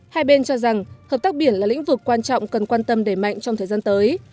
hai bên cho rằng hợp tác biển là lĩnh vực quan trọng cần quan tâm đẩy mạnh trong thời gian tới